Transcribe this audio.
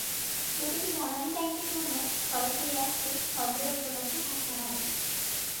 প্রতিটি জ্বালানী ট্যাঙ্কের জন্য, সরাসরি অ্যাক্সেস সর্বদা উপলব্ধ থাকতে হবে।